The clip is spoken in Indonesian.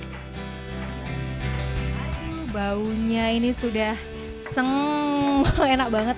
aduh baunya ini sudah seng enak banget